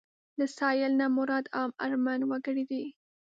له سايل نه مراد عام اړمن وګړي دي.